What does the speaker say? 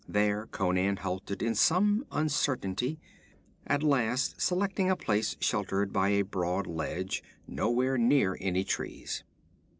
There Conan halted in some uncertainty, at last selecting a place sheltered by a broad ledge, nowhere near any trees.